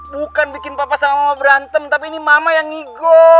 bukan bikin papa sama mama berantem tapi ini mama yang ngigo